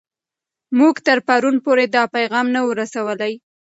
موږ تر پرون پورې دا پیغام نه و رسوولی.